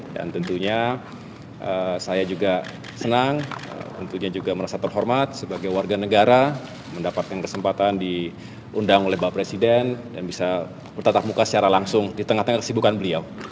tentunya saya juga senang tentunya juga merasa terhormat sebagai warga negara mendapatkan kesempatan diundang oleh bapak presiden dan bisa bertatap muka secara langsung di tengah tengah kesibukan beliau